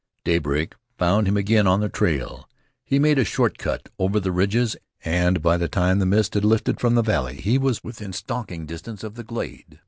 Daybreak found him again on the trail. He made a short cut over the ridges and by the time the mist had lifted from the valley he was within stalking distance of the glade.